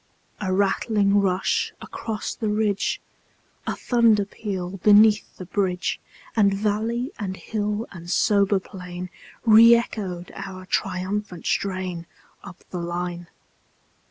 A rattling rush across the ridge, A thunder peal beneath the bridge; And valley and hill and sober plain Re echoed our triumphant strain, Up the line.